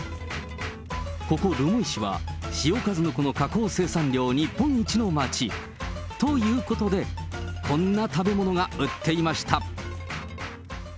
ここ留萌市は、塩カズノコの加工生産量、日本一の町。ということで、こんな食べ物が売っていました。